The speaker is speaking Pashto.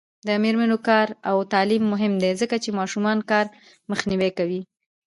د میرمنو کار او تعلیم مهم دی ځکه چې ماشوم کار مخنیوی کوي.